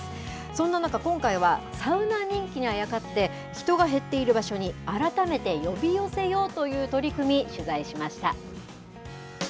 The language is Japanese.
そんな中、今回はサウナ人気にあやかって、人が減っている場所に、改めて呼び寄せようという取り組み、取材しました。